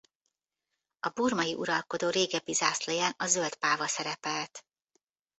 A burmai uralkodó régebbi zászlaján a zöld páva szerepelt.